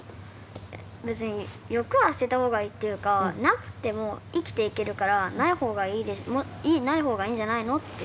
別に欲は捨てた方がいいっていうかなくても生きていけるからない方がいいんじゃないのって。